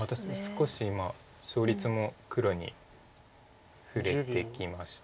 少し今勝率も黒に振れてきました